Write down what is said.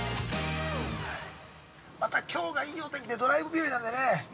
◆またきょうがいいお天気でドライブ日和なんでね。